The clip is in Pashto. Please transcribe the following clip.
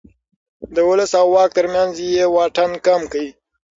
د ولس او واک ترمنځ يې واټن کم کړ.